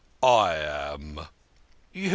" I am." " You !